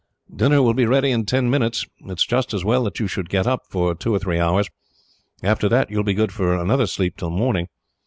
"Dinner will be ready in ten minutes. It is just as well that you should get up, for two or three hours. After that, you will be good for another sleep till morning.